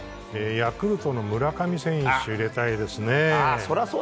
ヤクルトの村上選手を入れたいですね。